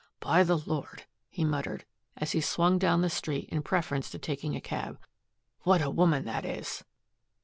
"By the Lord," he muttered, as he swung down the street in preference to taking a cab, "what a woman that is!"